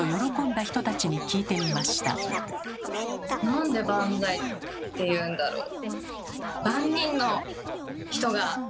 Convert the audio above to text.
なんで「バンザイ」って言うんだろう？